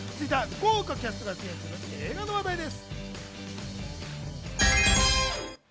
豪華キャストが出演する映画の話題です。